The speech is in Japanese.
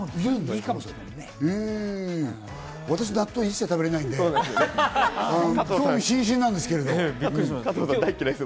私、納豆一切食べられないので、興味津々なんですけど。